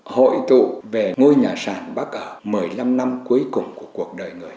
hội tụ về ngôi nhà sản bác ở một mươi năm năm cuối cùng của cuộc đời người